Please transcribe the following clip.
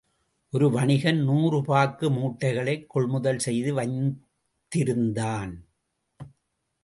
ஒரு வணிகன் நூறு பாக்கு மூட்டைகளைக் கொள் முதல் செய்து வைத்திருந்தான்.